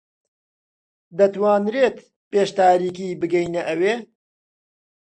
دەتوانرێت پێش تاریکی بگەینە ئەوێ؟